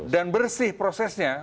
dan bersih prosesnya